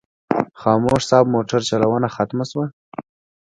خاموش صاحب موټر چلونه ختمه شوه.